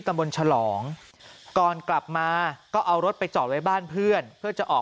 ตำบลฉลองก่อนกลับมาก็เอารถไปจอดไว้บ้านเพื่อนเพื่อจะออก